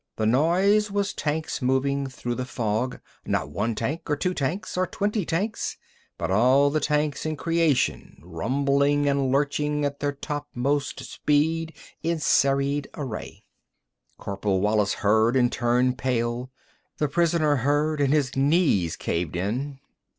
The noise was tanks moving through the fog, not one tank or two tanks, or twenty tanks, but all the tanks in creation rumbling and lurching at their topmost speed in serried array. Corporal Wallis heard, and turned pale. The prisoner heard, and his knees caved in.